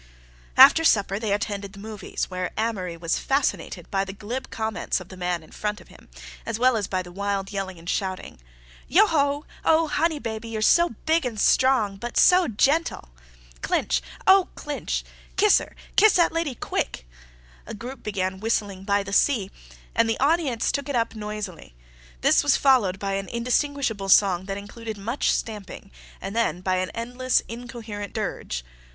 After supper they attended the movies, where Amory was fascinated by the glib comments of a man in front of him, as well as by the wild yelling and shouting. "Yoho!" "Oh, honey baby—you're so big and strong, but oh, so gentle!" "Clinch!" "Oh, Clinch!" "Kiss her, kiss 'at lady, quick!" "Oh h h—!" A group began whistling "By the Sea," and the audience took it up noisily. This was followed by an indistinguishable song that included much stamping and then by an endless, incoherent dirge.